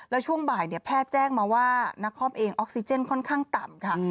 แล้วช่วงบ่ายแพทย์แจ้งมาว่านักคอมเองออกซิเจนค่อนข้างต่ำค่ะ